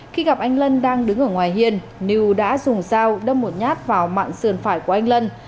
khi gặp anh lân đang đứng ở ngoài hiên niu đã dùng dao đâm một nhát vào mạng sườn phải của anh lân